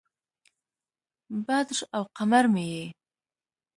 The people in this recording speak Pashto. بدر او قمر مې یې